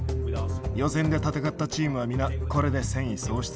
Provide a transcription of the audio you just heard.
予選で戦ったチームは皆これで戦意喪失。